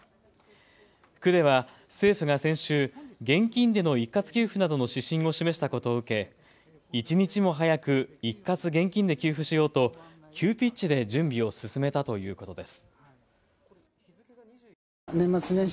区では政府が先週、現金での一括給付などの指針を示したことを受け一日も早く一括現金で給付しようと急ピッチで準備を進めたということです。